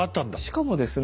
しかもですね